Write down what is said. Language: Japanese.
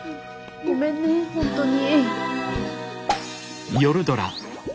ごめんね本当に。